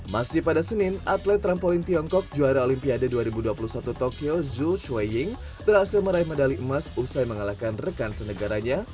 masih pada senin atlet trampolin tiongkok juara olimpiade dua ribu dua puluh satu tokyo zoo shui ying berhasil meraih medali emas usai mengalahkan rekan senegaranya